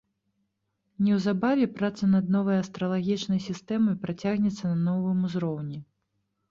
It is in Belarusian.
Неўзабаве праца над новай астралагічнай сістэмай працягнецца на новым узроўні.